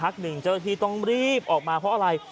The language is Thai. หนึ่งเจ้าหน้าที่ต้องรีบออกมาเพราะอะไร